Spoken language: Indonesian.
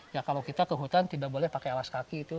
ya kalau kita ke hutan tidak boleh pakai alas kaki itu